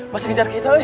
masih ngejar kita wih